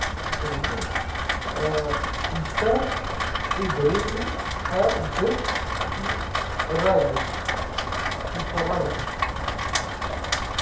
ⵏⵜⴰⵏ ⵉⴷⵔⵉⵎⵏ ⴰⵔ ⴷ ⵜⵜⵏⵚⵚⴰⴳⵏ.